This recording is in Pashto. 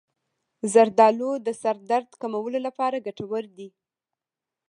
زردآلو د سر درد کمولو لپاره ګټور دي.